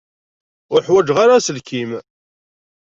Ur ḥwajeɣ ara aselkim.